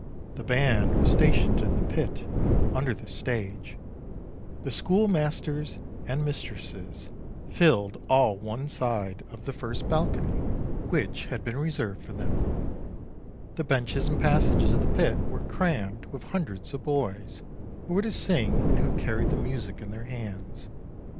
The band was stationed in the pit, under the stage; the schoolmasters and mistresses filled all one side of the first balcony, which had been reserved for them ; the benches and passages of the pit were crammed with hundreds of boys, who were to sing, and who carried the music in their hands.